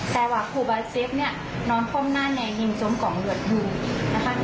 แต่ว่าผู้บาดเจ็บเนี่ยนอนคว่ำหน้าในยิงจมกล่องหลวดดูนะคะ